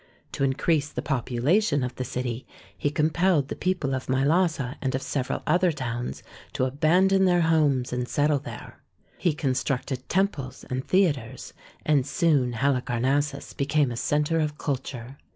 To increase the population of the city, he compelled the people of Mylasa and of several other towns to abandon their homes and settle there. He constructed temples and theatres, and soon Halicarnassus became a centre of culture.